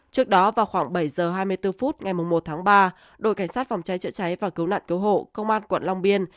trước đó vào khoảng bảy h hai mươi bốn phút ngày một tháng ba đội cảnh sát phòng cháy chữa cháy và cứu nạn cứu hộ công an quận long biên